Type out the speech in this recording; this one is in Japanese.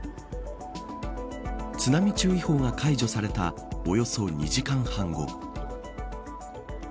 津波注意報が解除されたおよそ２時間半後。